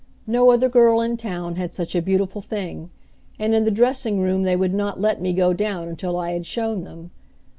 No other girl in town had such a beautiful thing, and in the dressing room they would not let me go down until I had shown them.